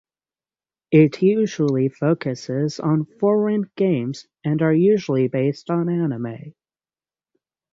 It usually focuses on foreign games, and are usually based on anime.